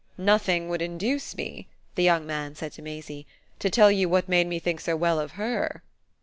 "Nothing would induce me," the young man said to Maisie, "to tell you what made me think so well of HER."